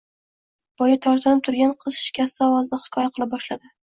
Boya tortinib turgan qiz shikasta ovozda hikoya qila boshladi